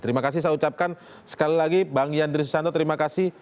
terima kasih saya ucapkan sekali lagi bang yandri susanto terima kasih